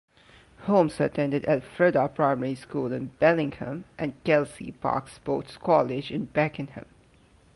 Holmes attended Elfrida Primary School in Bellingham and Kelsey Park Sports College in Beckenham.